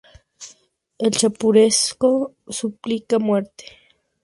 El Chapucero suplica muerte.